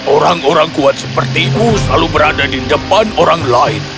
orang orang kuat sepertimu selalu berada di depan orang lain